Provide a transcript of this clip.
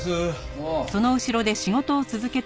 ああ。